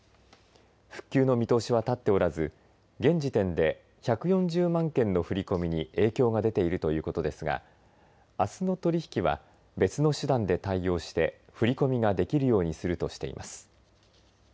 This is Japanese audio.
復旧の見通しは立っておらず現時点で１４０万件の振り込みに影響が出ているということですがあすの取り引きは別の手段で対応して振り込みができるようにするとしています。